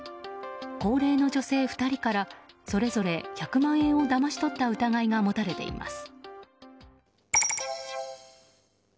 高齢の女性２人からそれぞれ１００万円をだまし取った疑いが持たれています。